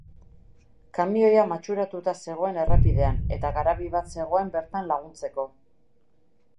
Kamioia matxuratuta zegoen errepidean, eta garabi bat zegoen bertan laguntzeko.